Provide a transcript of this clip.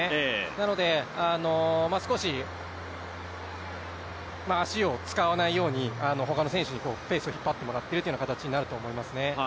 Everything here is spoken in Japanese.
なので少し足を使わないように他の選手にペースを引っ張ってもらってるという形になると思いますね。